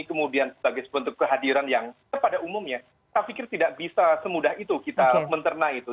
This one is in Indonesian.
kemudian sebagai bentuk kehadiran yang pada umumnya saya pikir tidak bisa semudah itu kita menternak itu